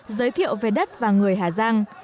giới thiệu về đất và người hà giang